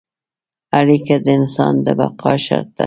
اړیکه د انسان د بقا شرط ده.